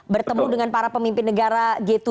bertemu dengan para pemimpin negara g tujuh